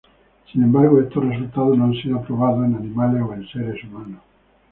Sin embargo, estos resultados no han sido probados en animales o en seres humanos.